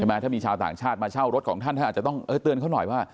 ถ้ามีชาวต่างชาติมาเช่ารถของท่านท่านอาจจะต้องเตือนเขาหน่อยว่า